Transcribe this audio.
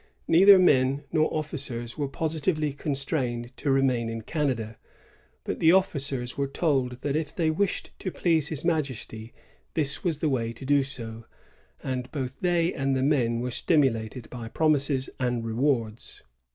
Neither men nor oflScers were positively constrained to remain in Canada; but the officers were told that if they wished to please his Majesty this was the way to do so ; and both they and the men were stimulated by promiBes and rewards.